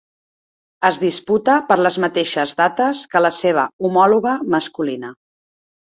Es disputa per les mateixes dates que la seva homòloga masculina.